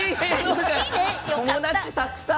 友達たくさん！